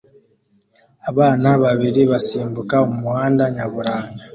Abana babiri basimbuka umuhanda nyaburanga